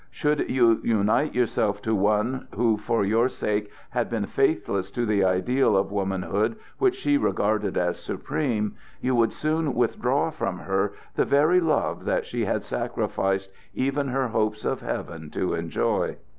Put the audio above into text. Should you unite yourself to one who for your sake had been faithless to the ideal of womanhood which she regarded as supreme, you would soon withdraw from her the very love that she had sacrificed even her hopes of Heaven to enjoy.